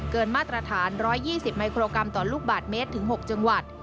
มาตรฐาน๑๒๐มิโครกรัมต่อลูกบาทเมตรถึง๖จังหวัด